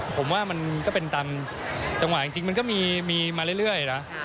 ผมว่ามันก็เป็นตามจังหวะจริงมันก็มีมาเรื่อยนะ